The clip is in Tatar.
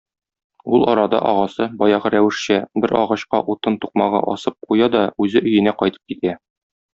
Ул арада агасы, баягы рәвешчә, бер агачка утын тукмагы асып куя да үзе өенә кайтып китә.